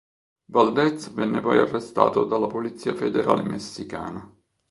Valdez venne poi arrestato dalla polizia federale messicana.